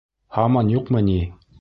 Һаман юҡмы ни?